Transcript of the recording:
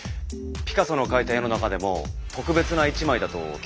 ピカソの描いた絵の中でも特別な１枚だと聞いています。